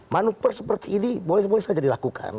manupur seperti ini boleh saja dilakukan